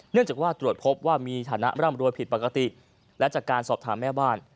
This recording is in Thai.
เนื่องจากว่าตรวจพบว่ามีฐานะร่ำรวยผิดปกติและจากการสอบถามแม่บ้าน